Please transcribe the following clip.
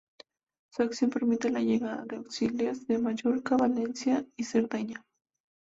Su acción permite la llegada de auxilios de Mallorca, Valencia y Cerdeña.